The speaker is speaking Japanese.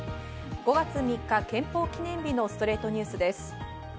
５月３日、憲法記念日の『ストレイトニュース』です。